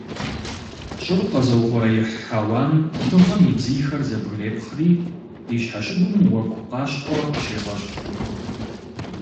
Щӏыр къэзыухъуреихь хьэуам Дыгъэм и бзийхэр зэбгрепхъри ди щхьэщыгум уэгу къащхъуэ къыщегъэщӏ.